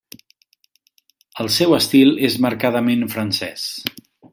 El seu estil és marcadament francès.